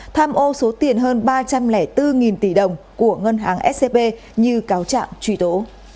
tham ô số tiền hơn ba trăm linh bốn tỷ đồng của ngân hàng scb như cáo trạng truy tố